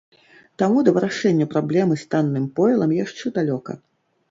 Таму да вырашэння праблемы з танным пойлам яшчэ далёка.